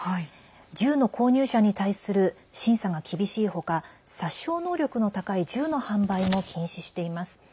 銃の購入者に対する審査が厳しい他殺傷能力の高い銃の販売も禁止しています。